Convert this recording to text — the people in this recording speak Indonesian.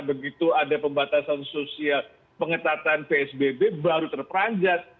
begitu ada pembatasan sosial pengetatan psbb baru terperanjat